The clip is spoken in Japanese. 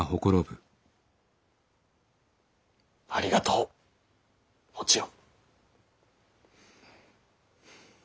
ありがとうお千代。